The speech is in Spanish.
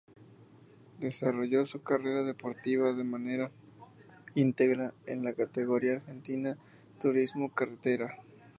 Desarrolló su carrera deportiva de manera íntegra en la categoría argentina Turismo Carretera.